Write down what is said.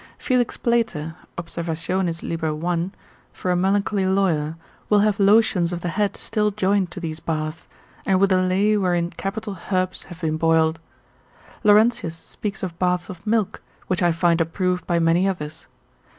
Felix Plater, observ. lib. 1. for a melancholy lawyer, will have lotions of the head still joined to these baths, with a ley wherein capital herbs have been boiled. Laurentius speaks of baths of milk, which I find approved by many others.